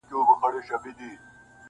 • نوريې دلته روزي و ختمه سوې..